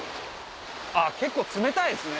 結構冷たいっすね。